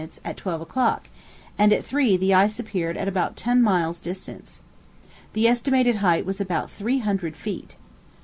53° 11' at twelve o'clock, and at three the ice appeared at about ten miles' distance. The estimated height was about three hundred feet.